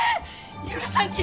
許さんき！